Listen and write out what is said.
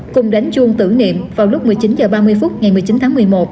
cùng đến chuông tử niệm vào lúc một mươi chín h ba mươi phút ngày một mươi chín tháng một mươi một